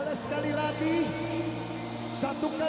lebih baik sendiri